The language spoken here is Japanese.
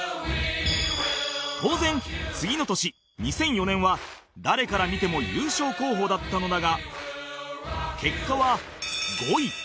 当然次の年２００４年は誰から見ても優勝候補だったのだが結果は５位